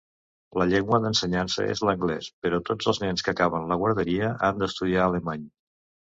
La llengua d'ensenyança és l'anglès, però tots els nens que acaben la guarderia han d'estudiar alemany.